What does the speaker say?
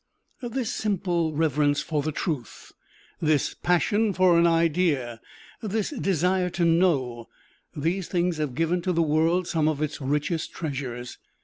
This simple reverence for the truth this passion for an idea this desire to know these things have given to the world some of its richest treasures.